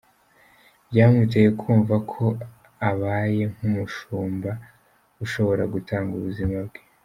Byamuteye kumva ko abaye nk’umushumba ushobora gutanga ubuzima bwe.